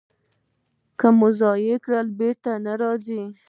که مو ضایع کړ، بېرته نه راګرځي.